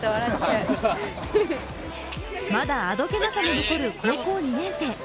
まだあどけなさが残る高校２年生。